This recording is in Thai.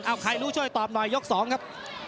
เอาใครรู้ช่วยตอบหน่อยยก๒ครับ